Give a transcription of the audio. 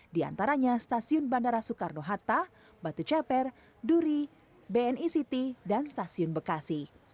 di antaranya stasiun bandara soekarno hatta batu ceper duri bni city dan stasiun bekasi